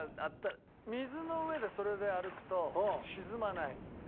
水の上でそれで歩くと沈まない。